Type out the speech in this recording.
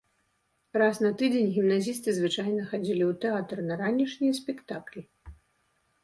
Раз на тыдзень гімназісты звычайна хадзілі ў тэатр на ранішнія спектаклі.